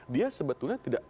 dia sebetulnya tidak